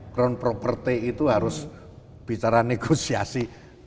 kron properti itu harus bicara negosiasi